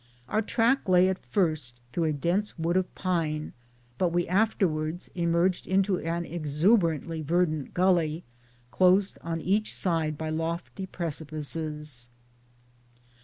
Our track lay at first through a dense wood of pine, but we afterwards emerged into an exuberantly verdant gully, closed on each side by lofty precipices.